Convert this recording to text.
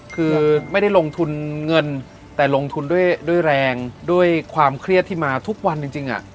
คือไม่ได้ลงทุนเงินแต่ลงทุนด้วยแรงด้วยความเครียดที่มาทุกวันจริง